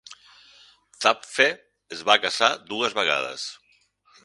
Zapffe es va casar dues vegades.